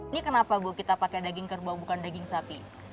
ini kenapa bu kita pakai daging kerbau bukan daging sapi